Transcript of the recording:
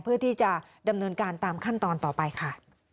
เพื่อที่จะดำเนินการตามขั้นตอนต่อไปค่ะ